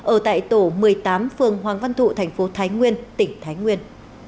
ở tại tổ một mươi tám phường hoàng văn thụ thành phố thái nguyên tỉnh thái nguyên